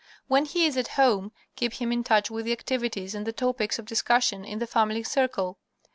When he is at home keep him in touch with the activities and the topics of discussion in the family circle.